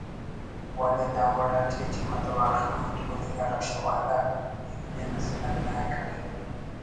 ولے داوڑ اٹ ہچ متو آخر متکن انگا رکشہ والاک یونین اسے نا بناءِ کریر